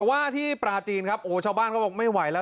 ว่าที่ปลาจีนครับโอ้โหชาวบ้านเขาบอกไม่ไหวแล้ว